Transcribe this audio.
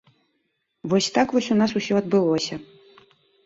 Вось так вось у нас усё адбылося.